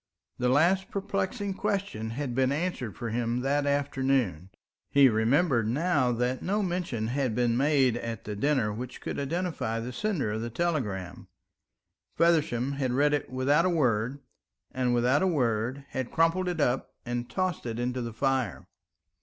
The last perplexing question had been answered for him that afternoon. He remembered now that no mention had been made at the dinner which could identify the sender of the telegram. Feversham had read it without a word, and without a word had crumpled it up and tossed it into the fire.